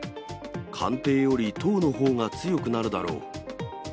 官邸より党のほうが強くなるだろう。